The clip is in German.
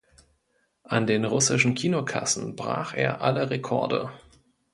An den russischen Kinokassen brach er alle Rekorde.